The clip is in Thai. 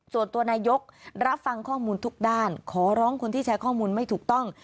ส่วนตัวนายกรับฟังข้อมูลทุกด้านขอร้องคนที่แชร์ข้อมูลไม่ถูกต้อง